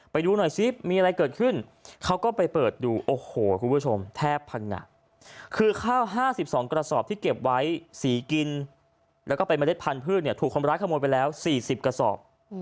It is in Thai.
ไปดูหน่อยซิมีอะไรเกิดขึ้นเขาก็ไปเปิดดูโอ้โหคุณผู้ชมแทบพังงะคือข้าว๕๒กระสอบที่เก็บไว้สีกินแล้วก็เป็นเมล็ดพันธุ์เนี่ยถูกคนร้ายขโมยไปแล้ว๔๐กระสอบ